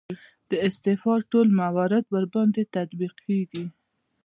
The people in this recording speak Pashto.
د استعفا ټول موارد ورباندې تطبیق کیږي.